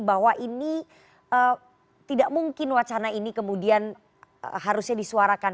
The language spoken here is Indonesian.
bahwa ini tidak mungkin wacana ini kemudian harusnya disuarakan